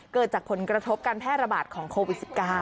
เกิดจากผลกระทบการแพร่ระบาดของโควิด๑๙